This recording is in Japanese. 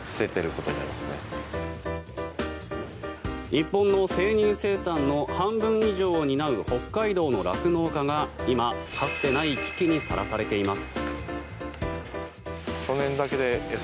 日本の生乳生産の半分以上を担う北海道の酪農家が今、かつてない危機にさらされています。